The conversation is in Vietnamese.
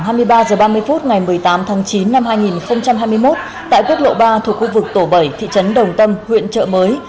vào hai mươi ba h ba mươi phút ngày một mươi tám tháng chín năm hai nghìn hai mươi một tại quốc lộ ba thuộc khu vực tổ bảy thị trấn đồng tâm huyện trợ mới